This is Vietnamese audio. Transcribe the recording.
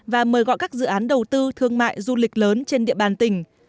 và mời gọi các dự án đầu tư thương mại du lịch lớn trên địa bàn tỉnh